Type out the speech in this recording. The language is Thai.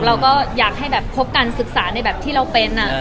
เราก็อยากให้แบบคบกันศึกษาในแบบที่เราเป็น